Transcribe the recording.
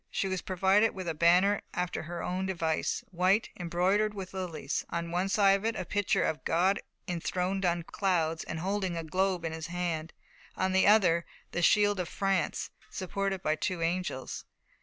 She was provided with a banner after her own device white, embroidered with lilies: on one side of it, a picture of God enthroned on clouds and holding a globe in His hand; on the other, the shield of France, supported by two angels.